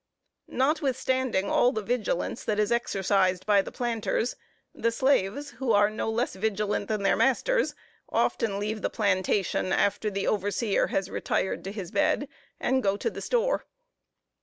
Notwithstanding all the vigilance that is exercised by the planters, the slaves, who are no less vigilant than their masters, often leave the plantation after the overseer has retired to his bed, and go to the store.